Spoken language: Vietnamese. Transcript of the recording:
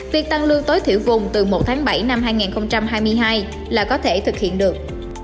việc tăng lương tối thiểu vùng từ một tháng bảy năm hai nghìn hai mươi hai là có thể thực hiện được